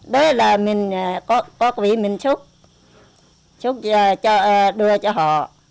đói là mình có quý mình chúc chúc đưa cho họ